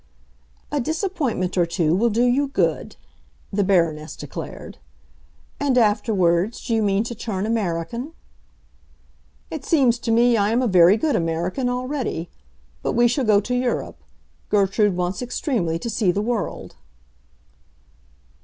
"A disappointment or two will do you good!" the Baroness declared. "And, afterwards, do you mean to turn American?" "It seems to me I am a very good American already. But we shall go to Europe. Gertrude wants extremely to see the world."